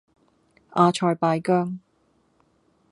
阿塞拜疆